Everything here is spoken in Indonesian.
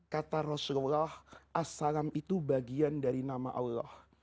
kata rasulullah as salam itu bagian dari nama allah